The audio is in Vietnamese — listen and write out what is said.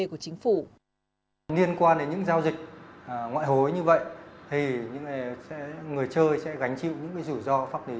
theo luật sư đặng xuân cường việc tham gia vào các sàn giao dịch ngoại hối không có sự bảo hộ của pháp luật